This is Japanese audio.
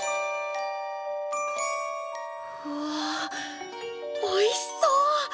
うわおいしそう！